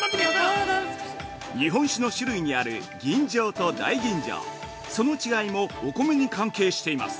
日本酒の種類にある吟醸と大吟醸その違いもお米に関係しています。